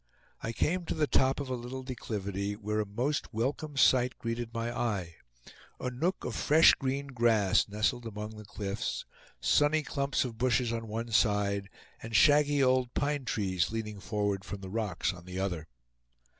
I came to the top of a little declivity, where a most welcome sight greeted my eye; a nook of fresh green grass nestled among the cliffs, sunny clumps of bushes on one side, and shaggy old pine trees leaning forward from the rocks on the other.